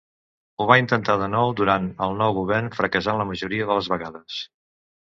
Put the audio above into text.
Ho va intentar de nou durant el nou govern, fracassant la majoria de les vegades.